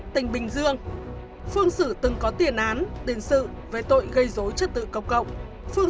tỉnh bình dương phương sử từng có tiền án tiền sự về tội gây dối chất tự cộng cộng phương